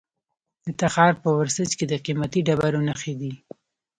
د تخار په ورسج کې د قیمتي ډبرو نښې دي.